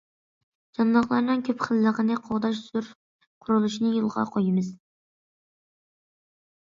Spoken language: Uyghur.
جانلىقلارنىڭ كۆپ خىللىقىنى قوغداش زور قۇرۇلۇشىنى يولغا قويىمىز.